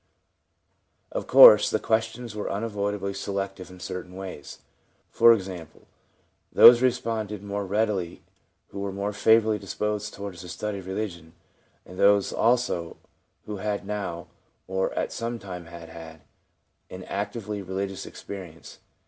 Of course, the questions were unavoidably selective in certain ways — for example, those responded more readily who were more favourably disposed towards the study of religion, and those also who had now, or at some time had had, an actively religious experience.